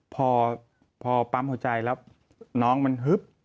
พอปั๊มหัวใจแล้วน้องมันฮึบ